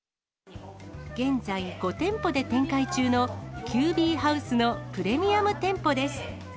現在５店舗で展開中のＱＢハウスのプレミアム店舗です。